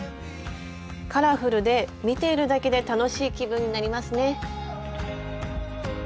カラフルで見ているだけで楽しい気分になりますね。